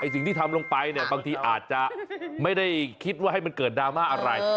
สิ่งที่ทำลงไปเนี่ยบางทีอาจจะไม่ได้คิดว่าให้มันเกิดดราม่าอะไร